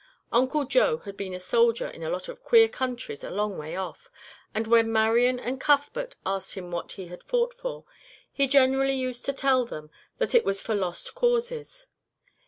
Uncle Joe had been a soldier in a lot of queer countries a long way off; and when Marian and Cuthbert asked him what he had fought for, he generally used to tell them that it was for lost causes.